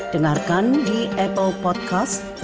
dengarkan di apple podcast